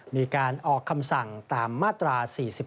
มีการออกคำสั่งตามมาตรา๔๔